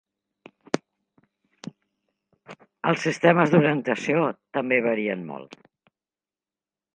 Els sistemes d'orientació també varien molt.